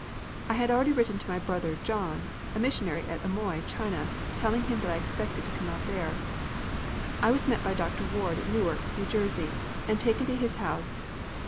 I had already written to my brother John, a missionary at Amoy, China, telling him that I expected to come out there. I was met by Dr. Ward at Newark, New Jersey, and taken to his house.